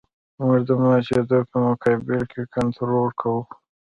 موږ د ماتېدو په مقابل کې کنټرول کوو